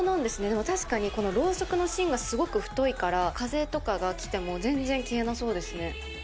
でも確かにろうそくの芯がすごく太いから風とかが来ても全然消えなそうですね。